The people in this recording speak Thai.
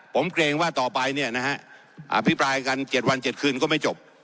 ผมเกรงว่าต่อไปเนี่ยนะฮะอภิปรายกัน๗วัน๗คืนก็ไม่จบ